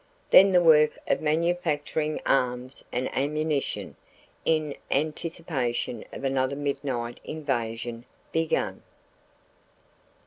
Then the work of manufacturing arms and ammunition, in anticipation of another midnight invasion, began.